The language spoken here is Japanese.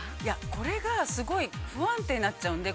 ◆これが、すごい不安定になっちゃうんで。